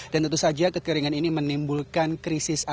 dan tentu saja kekeringan ini menimbulkan kekeringan di daerah tempat